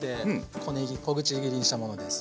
小ねぎ小口切りにしたものです。